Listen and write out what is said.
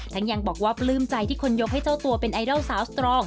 ยังบอกว่าปลื้มใจที่คนยกให้เจ้าตัวเป็นไอดอลสาวสตรอง